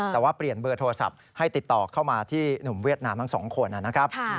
แต่ว่าเปลี่ยนเบอร์โทรศัพท์ให้ติดต่อเข้ามาที่หนุ่มเวียดนามทั้งสองคนนะครับ